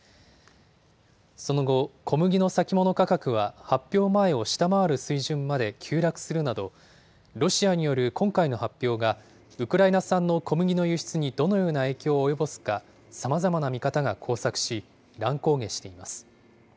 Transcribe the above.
その後、小麦の先物価格は発表前を下回る水準まで急落するなど、ロシアによる今回の発表がウクライナ産の小麦の輸出にどのような影響を及ぼすか、さまざまな見方が交錯し、乱高下しています。